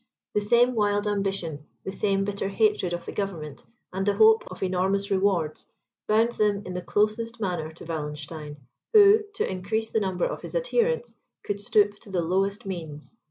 The same wild ambition, the same bitter hatred of the government, and the hope of enormous rewards, bound them in the closest manner to Wallenstein, who, to increase the number of his adherents, could stoop to the lowest means.